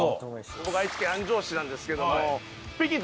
僕愛知県安城市なんですけども。